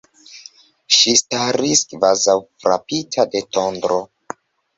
Ŝi staris, kvazaŭ frapita de tondro.